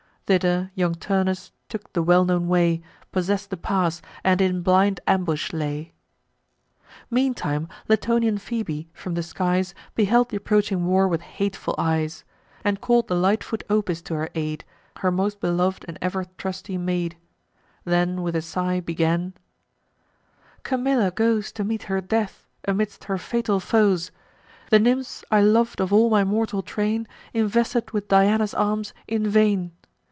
Thither young Turnus took the well known way, Possess'd the pass, and in blind ambush lay. Meantime Latonian Phoebe, from the skies, Beheld th' approaching war with hateful eyes, And call'd the light foot Opis to her aid, Her most belov'd and ever trusty maid; Then with a sigh began: "Camilla goes To meet her death amidst her fatal foes: The nymphs I lov'd of all my mortal train, Invested with Diana's arms, in vain.